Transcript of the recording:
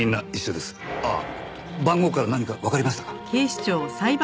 あっ番号から何かわかりましたか？